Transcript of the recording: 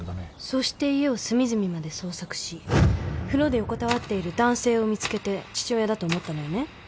そして家を隅々まで捜索し風呂で横たわっている男性を見つけて父親だと思ったのよね。